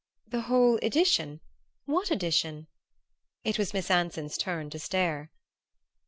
"The whole edition what edition?" It was Miss Anson's turn to stare.